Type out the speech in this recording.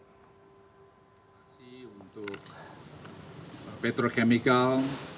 terima kasih untuk petrochemical